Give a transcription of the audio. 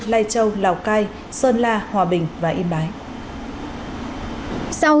lai châu lào cai sơn la hòa bình và yên bái